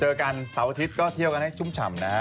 กันเสาร์อาทิตย์ก็เที่ยวกันให้ชุ่มฉ่ำนะฮะ